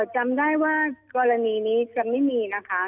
จำได้ว่ากรณีนี้จะไม่มีนะคะ